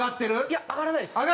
いや上がらないです。